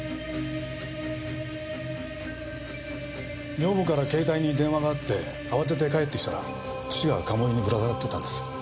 女房から携帯に電話があって慌てて帰ってきたら父が鴨居にぶら下がっていたんです。